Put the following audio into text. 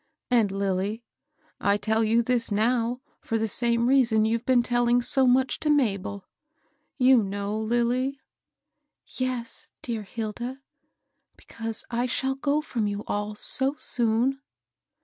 And, Lilly, I teD you this now for the same reason you've been telling so much to Mabel, ^ you know, Lilly ?"*^ Tes, dear Hilda, because I shall go fix>m you all so soon."